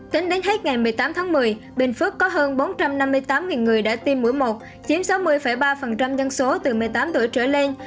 tính đến hết ngày một mươi tám tháng một mươi bình phước có hơn bốn trăm năm mươi tám người đã tiêm mũi một chiếm sáu mươi ba dân số từ một mươi tám tuổi trở lên